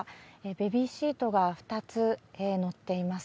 ベビーシートが２つ載っています。